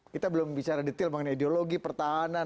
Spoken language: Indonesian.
kita belum bicara detail mengenai ideologi pertahanan